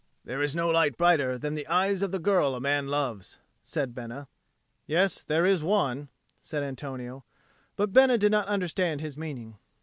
"There is no light brighter than the eyes of the girl a man loves," said Bena. "Yes, there is one," said Antonio. But Bena did not understand his meaning.